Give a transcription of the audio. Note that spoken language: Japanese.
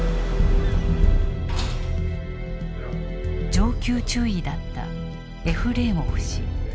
上級中尉だったエフレーモフ氏。